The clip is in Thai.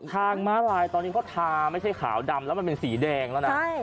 ม้าลายตอนนี้เขาทาไม่ใช่ขาวดำแล้วมันเป็นสีแดงแล้วนะ